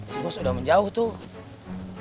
lik si bos sudah menjauh tuh